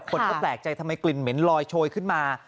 คนก็แปลกใจทำไมกลิ่นเหม็นลอยโชยขึ้นมา